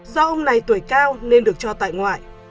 do ông này tuổi cao nên được cho tại ngoại